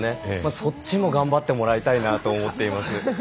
そっちも頑張ってもらいたいなと思っています。